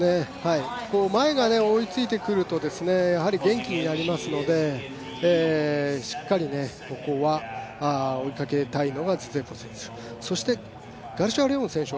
前が追いついてくると元気になりますので、しっかりここは追いかけたいのがズジェブウォ選手。